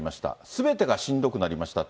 すべてがしんどくなりました。